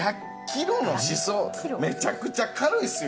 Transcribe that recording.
めちゃくちゃ軽いですよ